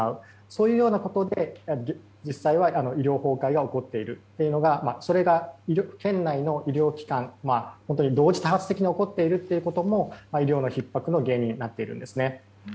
そういうようなことで実際は医療崩壊が起こっているというのがそれが県内の医療機関で同時多発的に起こっているということも医療のひっ迫の原因になっています。